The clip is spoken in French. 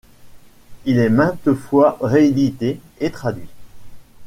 Il est maintes fois réédité et traduit.